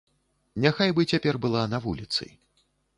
Няхай бы цяпер была на вуліцы.